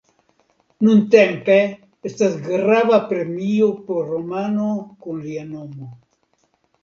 Nuntempe estas grava premio por romano kun lia nomo.